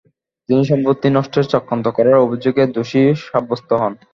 তিনি "সম্পত্তি নষ্টের চক্রান্ত করার" অভিযোগে দোষী সাব্যস্ত হন।